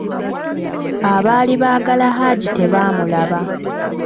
Abaali baagala Haji tebaamulaba.